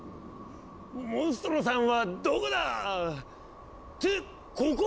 モンストロさんはどこだ⁉ってここは！